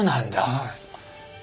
はい。